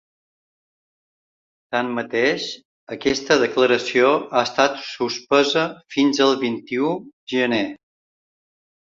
Tanmateix, aquesta declaració ha estat suspesa fins el vint-i-u gener.